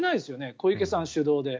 小池さん主導で。